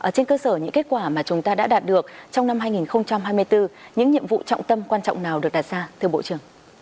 trên cơ sở những kết quả mà chúng ta đã đạt được trong năm hai nghìn hai mươi bốn những nhiệm vụ trọng tâm quan trọng nào được đạt ra